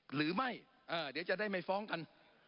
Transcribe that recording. หรือไม่เดี๋ยวจะได้ไปฟ้องกัน